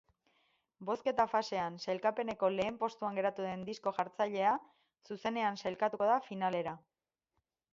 Bozketa fasean sailkapeneko lehen postuan geratu den disko-jartzailea zuzenean sailkatuko da finalera.